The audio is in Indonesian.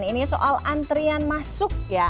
ini soal antrian masuk ya